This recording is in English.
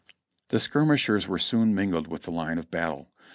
The skirmishers were soon mingled with the line of battle.